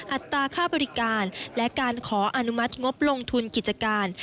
อัตราค่าบริการและการขออนุมัติงบลงทุนกิจการ